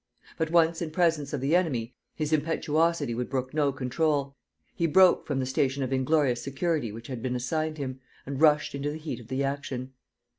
But, once in presence of the enemy, his impetuosity would brook no control. He broke from the station of inglorious security which had been assigned him, and rushed into the heat of the action.